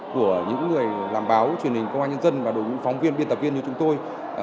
của những người làm báo truyền hình công an nhân dân và đội ngũ phóng viên biên tập viên như chúng tôi